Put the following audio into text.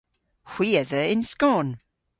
Hwi a dheu yn skon.